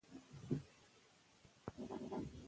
کرایه نشین باید له خپل حق څخه خبر وي.